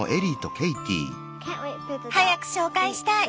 早く紹介したい！